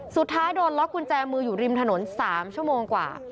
สุดท้ายโดนล็อกกุญแจมืออยู่ริมถนน๓ชั่วโมงกว่า